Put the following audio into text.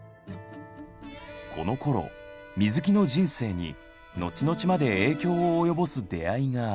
このころ水木の人生に後々まで影響を及ぼす出会いがあった。